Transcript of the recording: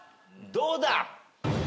どうだ？